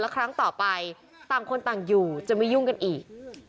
ครั้งต่อไปต่างคนต่างอยู่จะไม่ยุ่งกันอีก